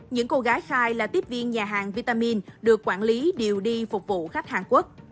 những cô gái khai là tiếp viên nhà hàng vitamin được quản lý điều đi phục vụ khách hàn quốc